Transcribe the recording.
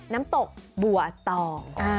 น้ำตกบัวตอง